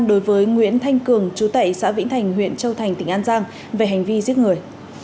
đối với nguyễn thanh cường chú tẩy xã vĩnh thành huyện châu thành tỉnh an giang về hành vi giết người